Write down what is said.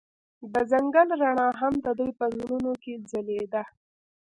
د ځنګل رڼا هم د دوی په زړونو کې ځلېده.